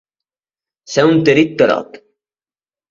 Ser un tarit-tarot.